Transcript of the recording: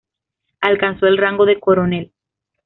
Alcanzó el rango de coronel.